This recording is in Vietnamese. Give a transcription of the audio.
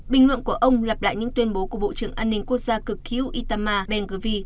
bình luận của ông lặp lại những tuyên bố của bộ trưởng an ninh quốc gia cực cứu itamar ben gurvi